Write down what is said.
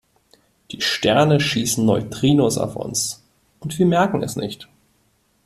Die Sterne schießen Neutrinos auf uns und wir merken es nicht.